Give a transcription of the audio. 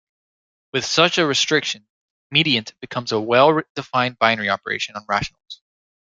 With such a restriction, mediant becomes a well-defined binary operation on rationals.